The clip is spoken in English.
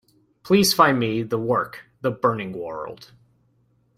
Please find me the work, The Burning World.